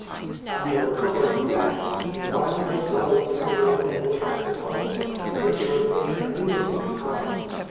After recovering breath, he wound his way up toward the wood pecker's hole, which was inconveniently high.